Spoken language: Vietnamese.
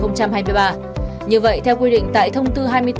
như vậy theo quy định tại thông tư hai mươi bốn